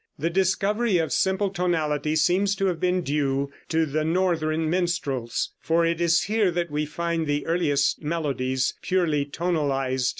The discovery of simple tonality seems to have been due to the northern minstrels, for it is here that we find the earliest melodies purely tonalized.